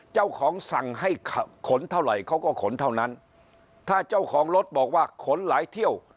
เจ้าของสั่งให้ขนเท่าไหร่เขาก็ขนเท่านั้นถ้าเจ้าของรถบอกว่าขนหลายเที่ยว